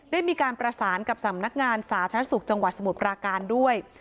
ได้มีการประสานกับสำนักงานสาธารณสุขจังหวัดสมุทรปราการด้วย